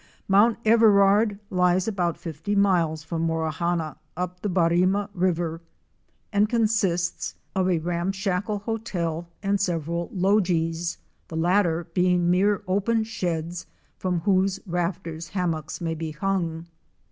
Mount Everard lies about fifty miles from Morawhanna up the Barima River and consists of a ramshackle hotel and 138 OUR SEARCH FOR A WILDERNESS. several logies — the latter being mere open sheds from whose rafters hammocks may be hung.